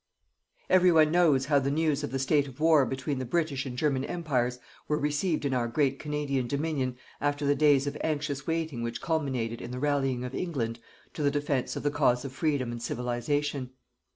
Every one knows how the news of the State of War between the British and German Empires were received in our great Canadian Dominion, after the days of anxious waiting which culminated in the rallying of England to the defence of the cause of Freedom and Civilization.